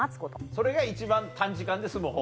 それが一番短時間で済む方法。